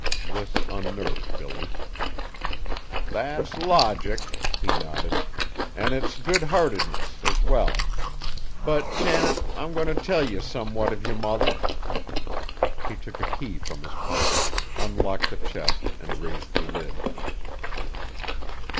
This unnerved Billy. "That's logic," he nodded, "an' it's good heartedness, as well; but, Janet, I'm goin' to tell ye somewhat of yer mother." He took a key from his pocket, unlocked the chest and raised the lid.